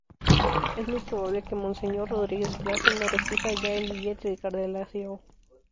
Es muy probable que monseñor Rodríguez Plaza no reciba ya el birrete cardenalicio.